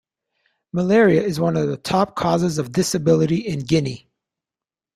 Malaria is one of the top causes of disability in Guinea.